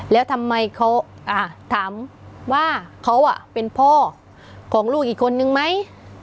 แล้วทำไมเขาถามว่าเขาเป็นพ่อของลูกอีกคนนึงไหม